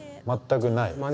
全くない？